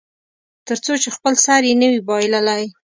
تر څو چې خپل سر یې نه وي بایللی.